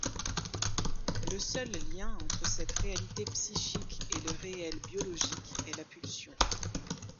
Le seul lien entre cette réalité psychique et le réel biologique est la pulsion.